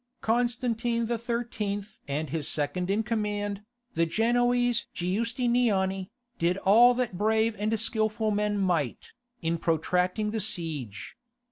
Constantine XIII. and his second in command, the Genoese Giustiniani, did all that brave and skilful men might, in protracting the siege.